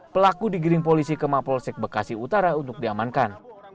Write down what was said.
pelaku digiring polisi ke mapolsek bekasi utara untuk diamankan